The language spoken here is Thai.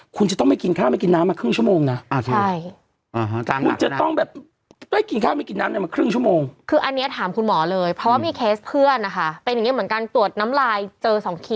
คุณจะต้องไปกินข้าวไม่กินน้ำมาครึ่งชั่วโมงเราน้ำกี่น้ำมาครึ่งชั่วโมง